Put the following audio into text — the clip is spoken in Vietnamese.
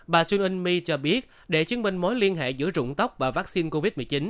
bà chun in mi cho biết để chứng minh mối liên hệ giữa rụng tóc và vaccine covid một mươi chín